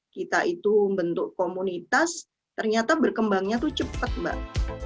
kita itu membentuk komunitas ternyata berkembangnya itu cepat mbak